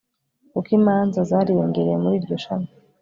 kuko imanza zariyongereye muri iryo shami